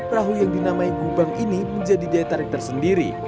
perahu yang dinamai gubang ini menjadi daya tarik tersendiri